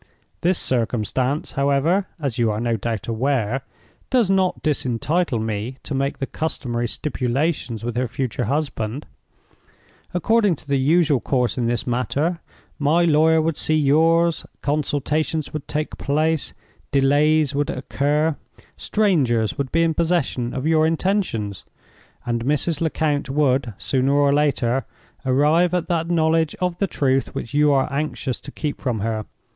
This circumstance, however (as you are no doubt aware), does not disentitle me to make the customary stipulations with her future husband. According to the usual course in this matter, my lawyer would see yours—consultations would take place—delays would occur—strangers would be in possession of your intentions—and Mrs. Lecount would, sooner or later, arrive at that knowledge of the truth which you are anxious to keep from her.